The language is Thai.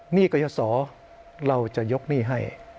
หนี้กรยาศรเราจะยกหนี้ให้